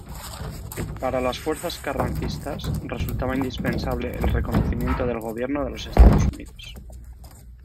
Para las fuerzas carrancistas resultaba indispensable el reconocimiento del gobierno de los Estados Unidos.